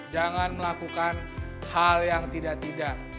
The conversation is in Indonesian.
jangan melakukan hal yang tidak tidak